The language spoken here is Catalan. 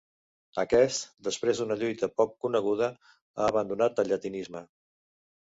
Aquest, després d’una lluita poc coneguda, ha abandonat el llatinisme.